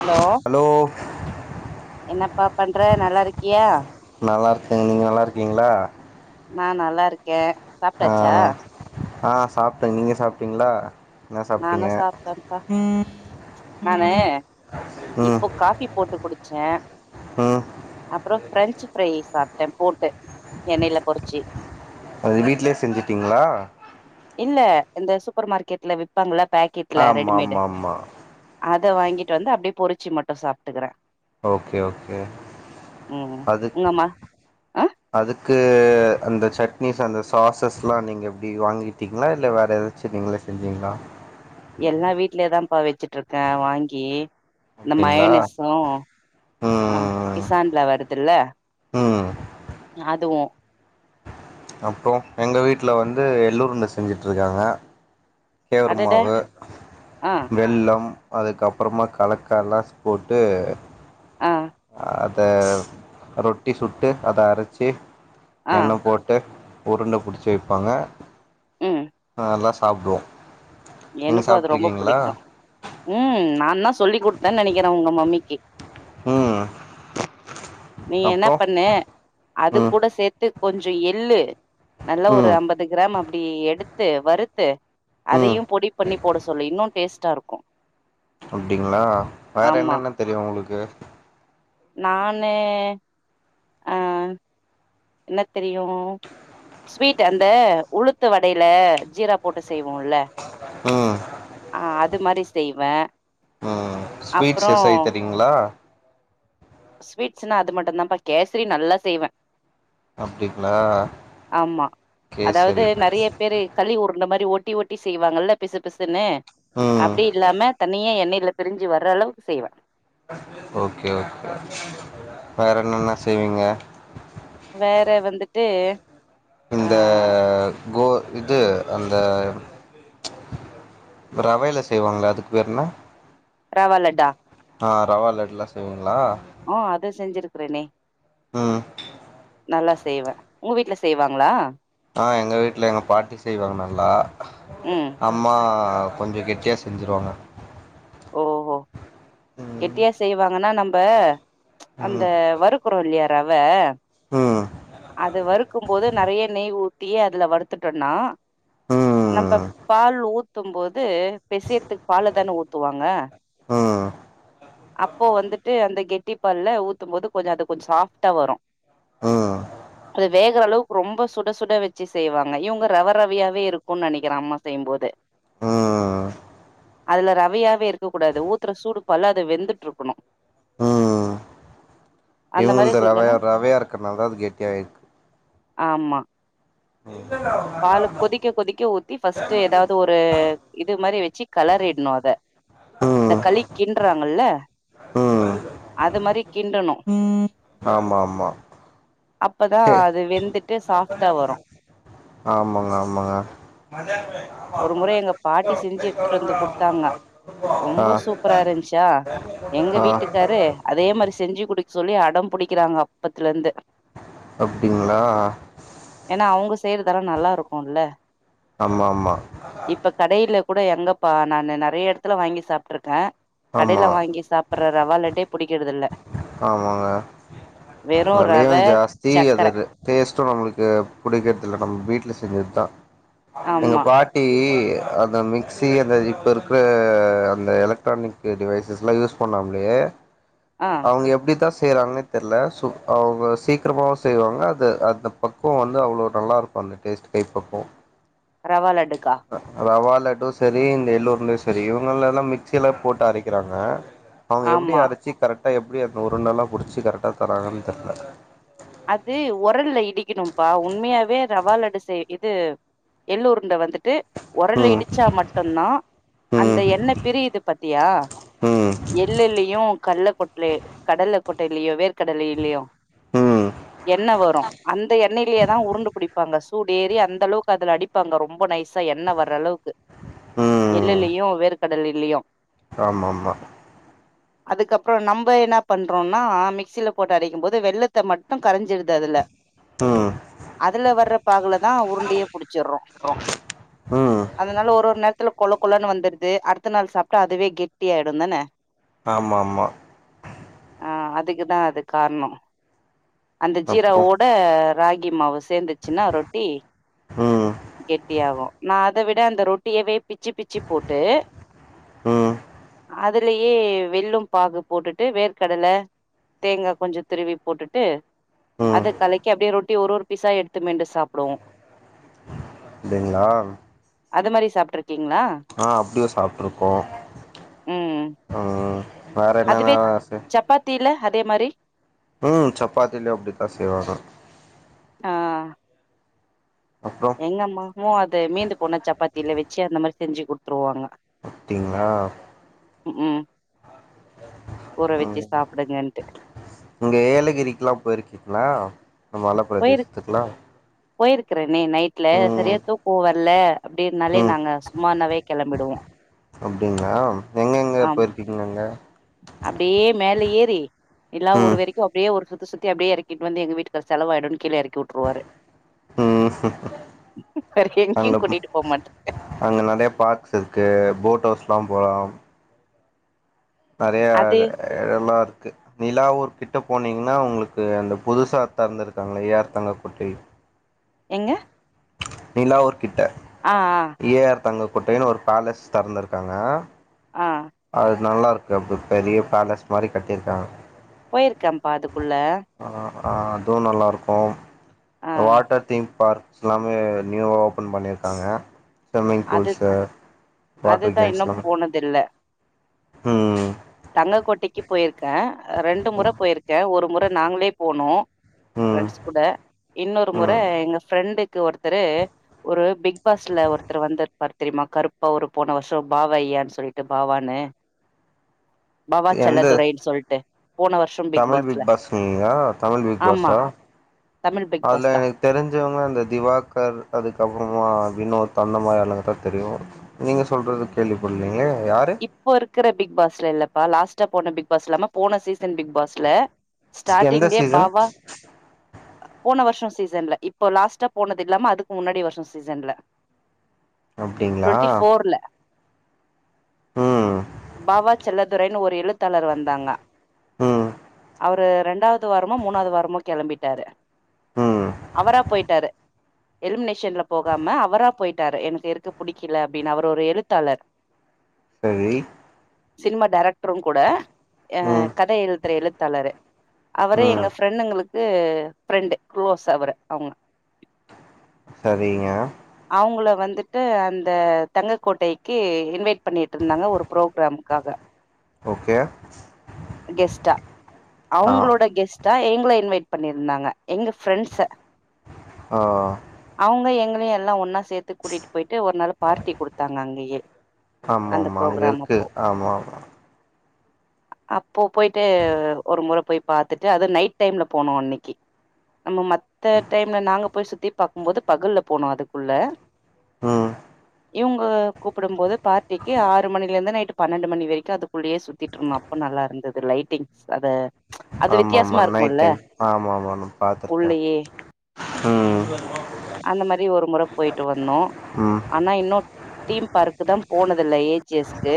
hello என்னப்பா பண்ற நல்லாருக்கியா நல்லாருக்கேன் நீங்க நல்லாருக்கீங்களா நா நல்லாருக்கே ஆ நா சாப்ட்டே நீங்க சாப்ட்டீங்களா என்ன சாப்ட்டீங்க நானு சாப்ட்டேன்ப்பா நானு இப்போ காஃபி போட்டுக் குடிச்சே ஆ அப்றோ ஃப்ரெஞ்சு ஃப்ரை சாப்ட்டே போட்டு எண்ணைலப் பொறிச்சு அது வீட்லயே செஞ்சிட்டிங்களா இல்ல இந்த சூப்பர் மார்க்கெட்ல விப்பாங்கள்ள பேக்கெட்ல ஆமா ரெடிமேடு ஆமா ஆமா அத வாங்கிட்டு வந்து அப்டியே பொறிச்சு மட்டு சாப்ட்டுக்குறே ஓகே ஓகே ம் அதுக் உங்கம்மா ஆ அதுக்கு அந்த சட்னிஸ் அந்த சாஸஸ்லா நீங்க எப்டி வாங்கிட்டீங்களா இல்ல வேற எத ச்சு நீங்களே செஞ்சிங்களா எல்லா வீட்லயே தான்ப்பா வச்சுட்ருக்கே வாங்கி இந்த அப்டிங்களா மயனசு ஆ ம் கிசான்ல வருதுல்ல ம் அதுவு அப்றோ எங்க வீட்ல வந்து எள்ளுருண்ட செஞ்சுட்ருக்காங்க அடட கெவருமாவு ஆ வெள்ளம் அதுக்கப்பறமா கலக்கலாஸ் போட்டு ஆ அத ரொட்டி சுட்டு அத அரச்சி ஆ எண்ணப் போட் டு உருண்ட புடிச்சி வைப்பாங்க ம் நல்லா சாப்டுவோ நீங்க எனக்கு அது ரொம்ப சாப்ட்ருக்கீங்ளா புடிக்கு ம் நான்தா சொல்லி்க் குடுத்தன் நனைக்கிற உங்க மம்மிக்கு ம் நீ என்ன அப்றோ பண்ணு அது ம் கூட சேத்துக் கொஞ்ச எள்ளு நல்ல ஒரு ம் அம்பது கிராம் அப்டி எடுத்து வறுத்து ம் அதயு பொடிப் பண்ணி போட சொல்லு இன்னு டேஸ்ட்டா இருக்கு அப்டிங்ளா வேற ஆமா என்னென்ன தெரியு உங்ளுக்கு நானு அ என்ன தெரியு ஸ்வீட் அந்த உளுத்து வடைல ஜீரா போட்டு செய்வோல்ல ம் ஆ அது மாரி செய்வ ம் ஸ்வீட்ஸ் அப்றோ எ செய்ய தெரியுங்களா ஸ்வீட்ஸ்ன்னா அது மட்டுந்தாப்பா கேசரி நல்லா செய்வ அப்டிங்ளா ஆமா அதாவது நெறைய பேரு களி உருண்ட மாரி ஓட்டி ஓட்டி செய்வாங்கல்ல பிசு பிசுன்னு ம் அப்டி இல்லாம தனியா எண்ணெல பிரிஞ்சு வர்ற அளவுக்கு செய்வ ஓகே ஓகே வேற என்னென்னலா செய்வீங்க வேற வந்துட்டு ஆ இந்த கோ இது அந்த ரவைல செய்வாங்கள அதுக்கு பேர் என்ன ரவா லட்டா ஆ ரவா லட்டுலா செய்வீங்ளா ஓ அது செஞ்சிருக்றேனே ம் நல்லா செய்வ உங்க வீட்ல செய்வாங்களா ஆ எங்க வீட்ல எங்க பாட்டி செய்வாங்க நல்லா ம் அம்மா கொஞ்சோ கெட்டியாக செஞ்சுருவாங்க ஓ ம் கெட்டியா செய்வாங்கன்னா நம்மப அந்த ம் வருக்குறோல்லியா ரவ ம் அது வறுக்கும் போது நெறைய நெய் ஊத்தி அதுல வறுத்துட்டோன்னா நம்ப ம் பால் ஊத்தும் போது பெசைறதுக்கு பால தான ஊத்துவாங்க ஆ அப்போ வந்துட்டு அந்த கெட்டி பால்ல ஊத்தும்போது கொஞ்சோ அது கொஞ்சோ சாஃப்டா வரு ம் அது வேகற அளவுக்கு ரொம்ப சுட சுட வச்சு செய்வாங்க இவங்க ரவ ரவயாவே இருக்குன் நெனைக்கிற அம்மா செய்யும்போது ஆ அதுல ரவையாவே இருக்க கூடாது ஊத்துற சூடு பால்ல அது வெந்துட்ருக்கணு ம் அந்த மாரி இந்த ரவ செஞ்சோன்னா ரவையா இருக்கிறதுனால தா அது கெட்டியாயிருது ஆமா ம் பாலு கொதிக்க கொதிக்க ஊத்தி பஃர்ஸ்ட்டு ஏதாது ஒரு இது மாரி வச்சு கலரிட்ணு அத இந்த ம் களி கின்றாங்கல்ல ம் அது மாரி கிண்டணும் ஆமா ஆமா அப்பதான் சே அது வெந்துட்டு சாஃப்ட்டா வரும் ஆமாங்க ஆமாங்க மத எப்பனா ஒரு முறை எங்க பாட்டி செஞ்சு எடுத்துட்டு வந்து குடுத்தாங்க ஆ ரொம்ப சூப்பரா இருந்துச்சா எங்க ஆ வீட்டுக்காரு அதே மாரி செஞ்சு குடுக் க சொல்லி அடம் புடிக்கிறாங்க அப்பத்துல இருந்து அப்டிங்களா ஏனா அவுங்க செய்யறதெல்லா நல்லா இருக்கும்ல ஆமா ஆமா இப்ப கடையில கூட எங்கப்பா நான் நிறைய எடத்துல வாங்கி சாப்பிட்டுருக்கே ஆமா கடையில வாங்கி சாப் அப்ரோ ரவாலட்டே புடிக்கிறது இல்ல ஆமாங்க வெறு ரவ விலையும் ஜாஸ்தி அது சக்கர ரே டேஸ்ட்டும் நம்மளுக்கு புடிக்கிறதில்லநம்ம வீட்ல செஞ்சது தா எங்க ஆமா பாட்டி அந்த மிக்ஸி அந்த இப்ப இருக்கிற அந்த எலக்ட்ரானிக் டிவைஸஸ்லாம் யூஸ் பண்ணாமலேயே ஆ அவங்க எப்டி தா செய்கிறாங்கன்னே தெர்ல அவங்க சீக்கிரமாகவும் செய்வாங்க அது அந்த பக்குவோ வந்து அவ்ளோ நல்லாயிருக்கும் அந்த டேஸ்டு கை பக்குவோ ரவா லட்டு கா ரவாலட்டு சேரி இந்த எள் உருண்டையும் சேரி இவங்க எல்லா மிக்சிலே போட்டு அரைக்கிறாங்க அவங்க எப்டி ஆமா அரச்சு கரெக்டா எப்டி அந்த உருண்டல்லாம் புடிச்சு கரெக்டா தராங்கன்னு தெர்ல அது ஒரல்ல இடிக்கணும்ப்பா உண்மையாவே ரவா லட்டு செய் இது எல்லூருண்ட வந்துட்டு ம் ஓரல்லஇடிச்சா மட்டுதா அந்த ம் என்ன பிரியிது பாத்தியா ம் எல்லீலையும் கல்கொட்லே கடல்ல கொட்டைல்லையோ வேர்க்கடல்லலையோ ம் என்னவரு அந்த எண்ணலே தா உருண்ட புடிப்பாங்க சூடூ ஏறி அந்த அளவுக்கு அதுல அடி ப்பாங்க ரொம்ப நைசா என்ன வர்ர அளவுக்கு எல்லூலையு வேர்கடலியு ஆமா ஆமா அதுக்கப்புரோ நம்ம என்ன பண்றோம்னா மிக்சியில போட்டு அடைக்கும் போது வெள்ள த்த மட்டும் கரஞ்சீரிது அதுல ம்ம் அதுல வர்ற பாகுல தா உருண்டையே புடிச்சிர்ரோ ம்ம் அதனால ஒரு ஒரு நேரத்துல கொழ கொலனு வந்துருது அடுத்த நாள் சாப்ட்டா அதுவே கெட்டி ஆய்டும் தானே ஆமா ஆமா ஆ அதுக்குதான் அது கார்னோ அந்த ஜீரா அப்றோ ஓட ராகி மாவு சேந்துச்சுன்னா ரொட்டி ம் கெட்டியாகு நா அத விட அந்த ரொட்டியவே பிச்சு பிச்சு போட்டு ம் அதிலயே வெள்ள பாகு போட்டுட்டு வேர்க்கடலே தேங்கா கொஞ்சம் துருவி போட் ட்டு ம் அது கலைக்கி அப்டியே ரொட்டி ஒரு ஒரு பீஸா எடுத்து மெண்டு சாப்பிடுவோ அப்டிங்களா அது மாரி சாப்ட்ருக்கீங்ளா ஆ அப்டியு சாப்புட்ருக்கோ ம் ம் ஆ அதுவே சப்பாத்தில அதே மாரி ம் சப்பாத்திலையு அப்டித்தா செய்வாங்க ஆ அப்றோ எங்க அம்மாவுக்கு அது மீந்து போன சப்பாத்தில வச்சு அந்த மாரி செஞ்சு குடுத்துருவாங்க அப்டிங்ளா ம் ஹும் ஊற வச்சு ம் சாப்புடுகன்ட்டு இங்க ஏலகிரிக்லா போயிருக்கீங்களா இந்த மலபிரதேசத்துக்குல்லா போயிருக்குறேனே நைட்ல சரியா தூக்கோ வர்ல அப்டின்னாலே ம் நாங்க சும்மானவே கெளம்பிடுவோ அப்டிங்களா எங்க எங்க ஆ போயிருக்கீங்க நீங்க அப்டியே மேல ஏறி எல்லா ஊர் ம் வரைக்கு அப்டியே ஒரு சுத்து சுத்தி அப்டியே எறக்கிட்டு வந்து எங்க வீட்டுக்காரு செலவாயிடுன்னு கீழ எறக்கி வுட்டுருவாரு ம் இப்பவரைக்கு எங்கயு அங்க கூட்டிட்டு போக மாட்டார் அங்க நெறையா பார்க்ஸ் இருக்கு ஃபோட் ஹவுஸ்லா போலாம் நெறையா அது எடோல்லா இருக்கு நிலாவூர் கிட்ட போனீங்கன்னா உங்களுக்கு அந்த புதுசா தெறந்திருக்காங்கலையா ஏ ஆர் தங்கக்கோட்டை எங்க நிலாவூர் கிட்ட ஆ ஆ ஏ ஆர் தங்கக்கோட்டைன்னு ஒரு ஃபேலஸ் தெறந்துருக்காங்க ஆ அது நல்லா இருக்கா அப் பெரிய ஃபேலஸ் மாரி கட்டிருக்காங்க போயிருக்கேப்பா அதுக்குள்ள ஆ அ அதுவு நல்லாருக்கு ஆ வாட்டர் தீம் பார்க் எல்லாமே நியூவா ஓப்பன் பண்ணியிருக்காங்க தம்மிங் அது பூல்ஸ்டர் வாட்டர் கேம்ஸ்லாம் தெர்ல ம் ம் தங்கக்கோட்டைக்கிப் போயிருக்கே ரெண்டு முற போயிருக்கே ஒரு முற நாங்ளே போனோ ம் ஃப்ரெண்ட்ஸ் கூட இன்னொரு முற ம் எங்க ஃப்ரெண்டுக்கு ஒருத்தரு ஒரு பிக்பாஸ்ல ஒருத்தரு வந்தருப்பாரு தெரியுமா கருப்பா ஒரு போன வர்ஷோ பாவையான்னு சொல்லிட்டு பாவானு பாவா எந்த செல்லதுரைன் சொல்ட்டு போன வர்ஷோ தமிழ் பிக்பாஸ்ல பிக் பாஸ்ங்களா தமிழ் பிக் ஆமா தமிழ் பிக்பாஸ் தா தெரிஞ்சவுங்க அந்த திவாக்கர் அதுக்கப்பறமா வினோத் அந்த மாரி ஆளுங்க தா தெரியு நீங்க சொல்றது கேள்விப்பட்லயே யாரு இப்ப இருக்குற பிக் பாஸ்ல இல்லப்பா லாஸ்ட்டா போன பிக் பாஸ் இல்லாம போன சீசன் பிக் பாஸ் ல எந்த ஸ்டார்டிங்கே சீசன் பாவா போன வர்ஷோ சீசன்ல இப்ப லாஸ்டா போனது இல்லாம அதுக்கு முன்னாடி வர்ஷோ சீசன்ல அப்டிங்ளா டுவெண்ட்டி ஃபோர்ல ம் பாவா செல்லதுரைனு ஒரு எழுத்தாளர் வந்தாங்க ம் அவரு ரெண்டாவ்து வாரமோ மூணாவ்து வாரமோ கெளம்பிட்டாரு ம் அவரா போய்ட்டாரு எலிமினேஷன்ல போகாம அவரா போய்ட்டாரு எனக்கு இருக்க புடிக்கல அப்டினு அவர் ஒரு எழுத்தாளர் செரி சினிமா டைரக்ட்ரு கூட அ ம் கத எழுதுற எழுத்தாளரு அவரு ம் எங்க ஃப்ரெண்டுங்களுக்கு ஃப்ரெண்டு க்ளோஸ் அவரு அவுங்க சரிங்க அவுங்கள வந்துட்டு அந்த தங்கக்கோட்டைக்கு இன்வைட் பண்ணீட்ருந்தாங்க ஒரு ப்ரோக்ராம்க்காக ஓகே கெஸ்ட்டா ஆ அவுங்களோட கெஸ்ட் டா எங்கள இன்வைட் பண்ணீர்ருந்தாங்க எங்க ஃப்ரெண்ட்ஸ ஆ அவுங்க எங்கள எல்லா ஒன்னா சேத்து கூட்டிட் போய்ட்டு ஒரு நாளு பார்ட்டி குடுத்தாங்க அங்கயே அந்த ஆமாமா அங்க ப்ரோக்ராம் இருக்கு அப்போ ஆமாமா அப்போ போய்ட்டு ஒரு முற போய் பாத்துட்டு அது நைட் டைம்ல போனோ அன்னைக்கி நம்ம மத்த டைம்ல நாங்க போய் சுத்தி பாக்கும் போது பகல்ல போனோ அதுக்குள்ள ம் இவுங்க கூப்படும் போது பார்டிக்கு ஆறு மணிலர்ந்து நைட்டு பன்னெண்டு மணி வரிக்கு அதுக்குள்ளயே சுத்திட்ருந்தோ அப்ப நல்லார்ந்தது லைட்டிங் சத ஆமாமா நைட் டைம் ஆமாமா நா பாத்துருக்கே உள்ளயே ம் அந்த மாரி ஒரு முற போய்ட்டு வந்தோ ம் ஆனா இன்னு டீம் பார்க்கு தா போனதில்ல ஏ ஜி எஸ் க்கு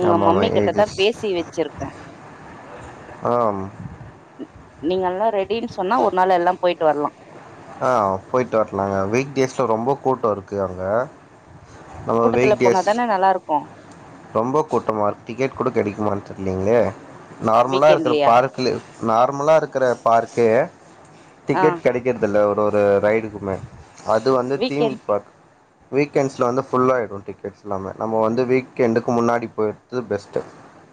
உங்க ஆமாமா மம்மி கிட்டதா ஏஜஸ் பேசி வெச்சிருக்கே ஆம் நீங்கெல்லா ரெடின் சொன்னா ஒரு நாள் எல்லா போய்ட்டு வர்லா ஆ போய்ட்டு வர்லாங்க வீக் டேஸ்ல ரொம்ப கூட்டோ இருக்கு அங்க நம்ம கூட்டத்துல வீக் போன டேஸ் தான நல்லார்க்கு ரொம்ப கூட்டமா இருக் டிக்கெட் கூட கெடைக்குமான் தெர்லீங்களே நார்மலா இருக்கற வீக்கெண்ட்லயா பார்க் குலு நார்மலா இருக்கற பார்க்கே ஆ டிக்கெட் கெடைக்ற் துல்ல ஒரு ஒரு ரைடுக்குமே அது வந்து தீம் வீக்கெண்ட் பார்க் வீக்கெண்ட்ஸ்ல வந்து ஃபுல்லாய்டு டிக்கெட்ஸ் எல்லாமே நம்ம வந்து வீக்கெண்டுக்கு முன்னாடி போயர்து பெஸ்ட்டு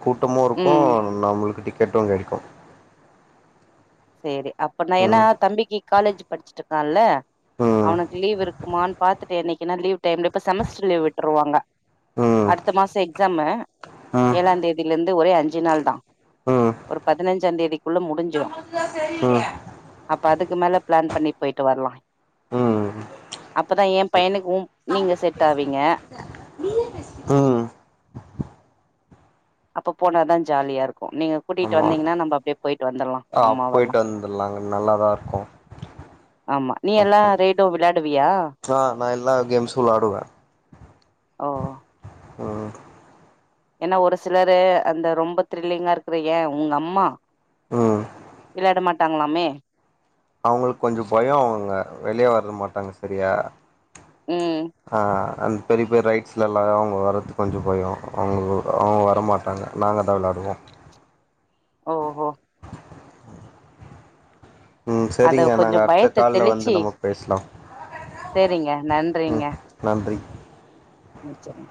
கூட்டமு இருக்கு ம் நம்மளுக்கு டிக்கெட்டு கெடைக்கு சேரி அப்ப நா ஏனா ம் தம்பிக்கு காலேஜு படிச்சிட்ருக்கால்ல ம் அவனுக்கு லீவ் இருக்குமான் பாத்துட்டு என்னைக்கின்னா லீவ் டைம்லே இப்ப செமஸ்டர் லீவ் விட்ருவாங்க ம் அடுத்த மாசோ எக்ஸாமு ம் ஏழாந்தேதிலிர்ந்து ஒரே அஞ்சு நாள் தா ஒரு பதினஞ்சா தேதிக்குள்ள முடிஞ்சிரு ம் அப்ப அதுக்கு மேல ப்ளான் பண்ணி போய்ட்டு வர்லா ம் ம் அப்பதா எ பையனுக்கு உ நீங்க செட் ஆவீங்க ம் அப்ப போனாதா ஜாலியாருக்கு நீங்க ஆமா கூட்டிட்டு ஆமா வந்தீங்கன்னா நம்ப அப்டே போய்ட்டு வந்தர்லா ஆ போயிட்டு வந்துர்லாங்க நல்லாதா இருக்கு ஆமா நீ எல்லா ரேடோ விளாடுவியா ஆ நா எல்லா கேம்ஸ்சும் விளையாடுவே ஓ ம் ஏன்னா ஒரு சிலரு அந்த ரொம்ப த்ரில்லிங்கா இருக்கிற ஏ உங்க அம்மா ம் விளையாட மாட்டாங்களாமே அவுங்களுக்கு கொஞ்சோ பயோ அவுங்க வெளிய வர மாட்டாங்க சரியா ம் ஆ அந் பெரிய பெரிய ரைட்ஸிலல்லா அவுங்க வர்றதுக்கு கொஞ்ச பயோ அவுங்க அவங்க வர மாட்டாங்க நாங்க தா விளையாடுவோ ஓஹோ ம் அத செரிங்க கொஞ்சோ நாங்க அடுத்த பயத்த கால்ல வந்து நம்ம பேசலா செரிங்க நன்றிங்க ம் நன்றி அ வெச்சுறே